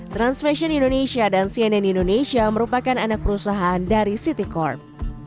trans fashion indonesia dan cnn indonesia merupakan anak perusahaan dari city corp